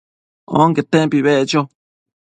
onquetempi beccho